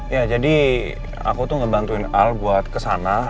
ya jadi aku tuh ngebantuin al buat kesana